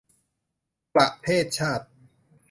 ประเทศชาติ